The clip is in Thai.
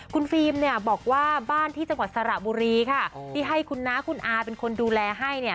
คุณฟิล์มเนี่ยบอกว่าบ้านที่จังหวัดสระบุรีค่ะที่ให้คุณน้าคุณอาเป็นคนดูแลให้เนี่ย